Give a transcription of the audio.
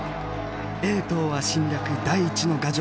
英東亜侵略第一の牙城